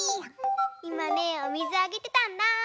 いまねおみずあげてたんだ。ねぇ。